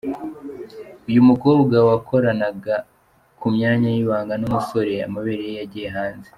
Uyu mukobwa wakoranaga ku myanya y’ibanga n’umusore, amabere ye yagiye hanze.